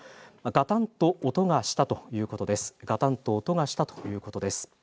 ガタンと音がしたということです。